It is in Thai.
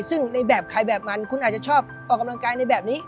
ซึ่งในแบบใครแบบมันคุณอาจจะชอบออกกำลังกายในแบบนี้